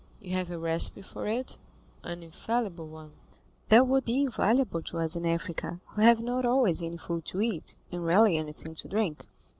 "You have a recipe for it?" "An infallible one." "That would be invaluable to us in Africa, who have not always any food to eat, and rarely anything to drink."